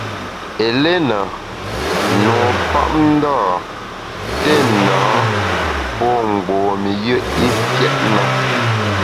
Eléna, nupapndâ, téna pô mgbom-i yùe i fiét na.